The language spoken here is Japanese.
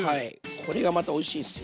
これがまたおいしいんすよ。